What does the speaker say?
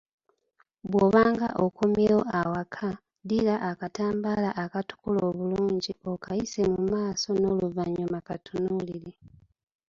Bw'obanga okomyewo awaka, ddira akatambaala akatukula obulungi, okayise mu maaso, n'oluvannyuma katunuulire.